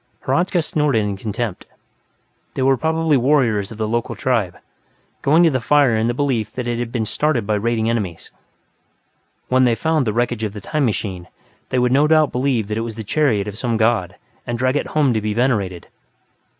Hradzka snorted in contempt; they were probably warriors of the local tribe, going to the fire in the belief that it had been started by raiding enemies. When they found the wreckage of the "time machine", they would no doubt believe that it was the chariot of some god and drag it home to be venerated.